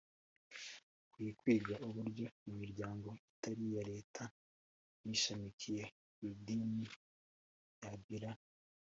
Hakwiye kwigwa uburyo imiryango itari iya Leta n ishamikiye ku idini yagira